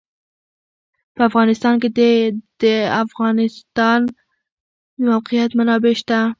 په افغانستان کې د د افغانستان د موقعیت منابع شته.